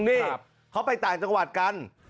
นี่เขาไปต่างจังหวัดกัน